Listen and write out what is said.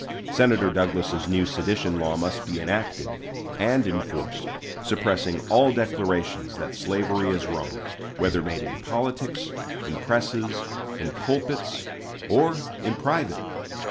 Senator Douglas's new sedition law must be enacted and enforced, suppressing all declarations that slavery is wrong, whether made in politics, in presses, in pulpits, or in private.